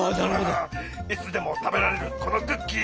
いつでも食べられるこのクッキー！